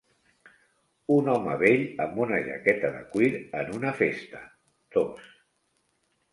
Un home vell amb una jaqueta de cuir en una festa. Dos.